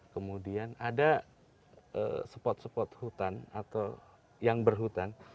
kemudian ada spot spot hutan atau yang berhutan